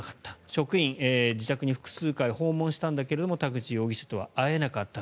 職員、自宅に複数回訪問したんだけれども田口容疑者とは会えなかった。